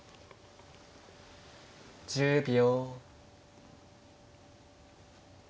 １０秒。